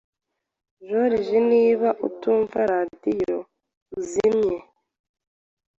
Joriji, niba utumva radio, uzimye.